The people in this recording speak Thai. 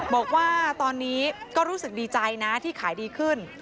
บอกว่าตอนนี้ก็รู้สึกดีใจนะที่ขายดีขึ้น